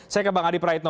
saya ke bang adi praetno